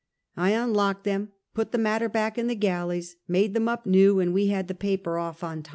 I unlocked them, put the matter back in the galleys, made them up new, and we had the paper off on time.